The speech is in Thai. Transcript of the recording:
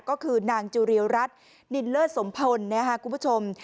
ก็คือนางจุเรียรัตน์นินเลิศสมพลนะฮะคุณผู้ชม